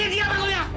ini dia bangunnya